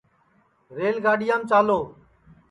ریل گاڈِؔیام چالو